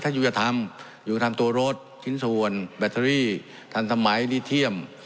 ถ้าอยู่จะทำอยู่กันทำตัวรถพิสูจน์แบตเทอรี่ทั้งสมัยนิเทียม